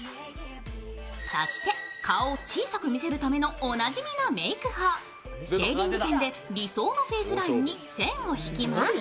そして顔を小さく見せるためのおなじみのメーク法、シェーディングペンで理想のフェイスラインに線を引きます。